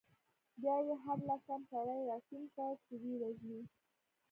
بیا يې هر لسم سړی راټینګ کړ، چې ویې وژني.